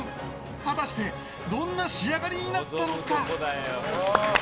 果たしてどんな仕上がりになったのか？